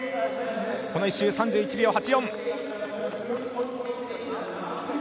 この１周、３８秒８４。